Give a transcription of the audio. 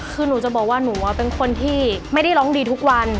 คือหนูจะบอกว่าหนูเป็นคนที่ไม่ได้ร้องดีทุกวัน